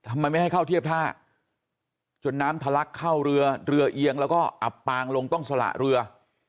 ทำไมไม่ให้เข้าเทียบท่าจนน้ำทะลักเข้าเรือเรือเอียงแล้วก็อับปางลงต้องสละเรือ